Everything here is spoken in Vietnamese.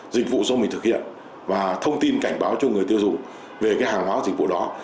dịch vụ do mình thực hiện và thông tin cảnh báo cho người tiêu dùng về cái hàng hóa dịch vụ đó